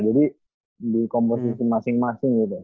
jadi di komposisi masing masing gitu